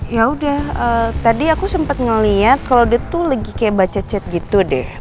yaudah tadi aku sempet ngeliat kalo dia tuh lagi kayak baca chat gitu deh